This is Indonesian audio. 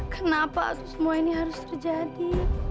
kenapa semua ini harus terjadi